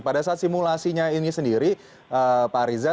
pada saat simulasinya ini sendiri pak riza